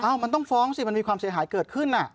มันต้องฟ้องสิมันมีความเสียหายเกิดขึ้น